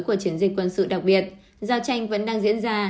của chiến dịch quân sự đặc biệt giao tranh vẫn đang diễn ra